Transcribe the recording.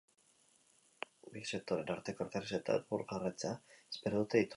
Bi sektoreen arteko elkarrizketak gaur jarraitzea espero dute iturri berdinek.